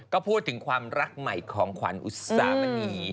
ก็พูดถึงความรักใหม่ของขวัญอุตสามณี